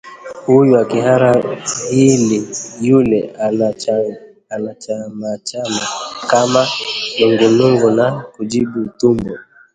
Huyu akihara hili, yule anachachamaa kama nungunungu na kujibu utumbo